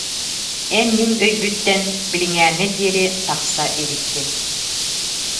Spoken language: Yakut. эн мин өйбүттэн билиҥҥээҥҥэ диэри тахса иликкин